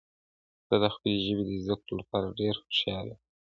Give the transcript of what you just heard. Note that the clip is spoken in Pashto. زه د خپلې ژبې د زده کړو لپاره ډیر هوښیار یم.